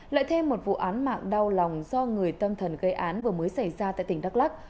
lại thêm một vụ án mạng đau lòng do người tâm thần gây án vừa mới xảy ra tại tỉnh đắk lắc